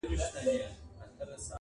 ځوانان هڅه کوي هېر کړي ډېر